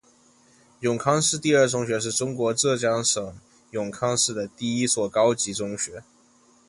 永康市第二中学是中国浙江省永康市的一所高级中学。